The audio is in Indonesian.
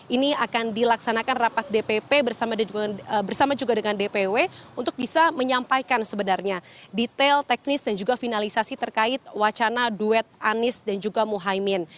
ini akan dilaksanakan rapat dpp bersama juga dengan dpw untuk bisa menyampaikan sebenarnya detail teknis dan juga finalisasi terkait wacana duet anies dan juga muhaymin